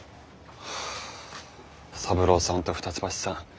はぁ三郎さんと二ツ橋さん